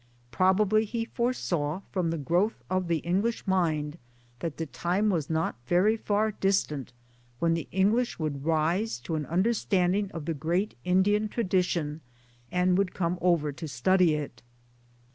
Probably he foresaw, from the growth of the English mind, that the time was not very far distant when the English would rise to an understanding) of the great Indian tradition and would come over to study it.